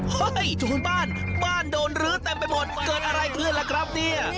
ชาวบ้านบ้านโดนรื้อเต็มไปหมดเกิดอะไรขึ้นล่ะครับเนี่ย